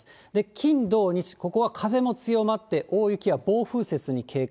金、土、日、ここは風も強まって、大雪や暴風雪に警戒。